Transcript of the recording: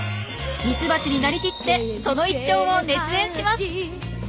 ミツバチになりきってその一生を熱演します。